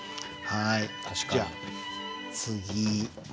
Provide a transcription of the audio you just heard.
はい。